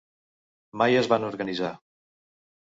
Mai es van organitzar.